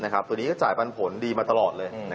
ตัวนี้ก็จ่ายปันผลดีมาตลอดเลย